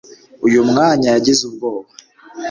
uyu mwanya yagize ubwoba